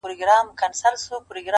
ښاغلی محمد صدیق پسرلي،